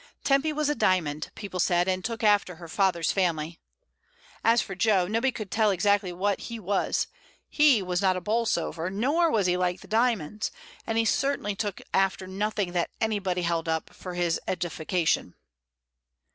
Tempy was a Dymond, people said, and took after her father's family. As for Jo, nobody could tell exactly what he was; he was not a Bolsover, nor was he like the Dymondsj and he certainly took after nothing that anybody held up for his edification.